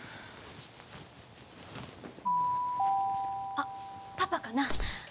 ・あっパパかな？